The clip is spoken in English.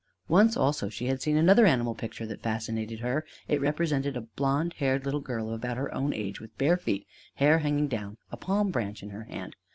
Once also she had seen another animal picture that fascinated her: it represented a blond haired little girl of about her own age, with bare feet, hair hanging down, a palm branch in her hand.